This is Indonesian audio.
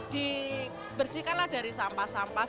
dibersihkanlah dari sampah sampah